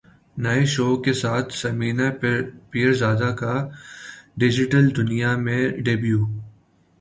نئے شو کے ساتھ ثمینہ پیرزادہ کا ڈیجیٹل دنیا میں ڈیبیو